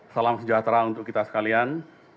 salam sejahtera untuk kita sekalian